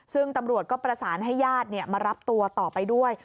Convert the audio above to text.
ซึ่งตำรวจก็ประสานให้ญาติมารับตัวต่อไปด้วย